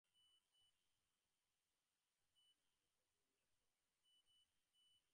উহাকে আয়ত্ত করিলে ক্রমশ আমরা স্নায়ুমণ্ডলীরূপে মোটা সুতা এবং চিন্তারূপে টোয়াইনের সুতাকে ধরিতে পারি।